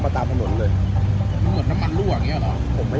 สวัสดีครับคุณผู้ชาย